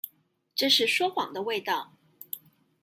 這是說謊的味道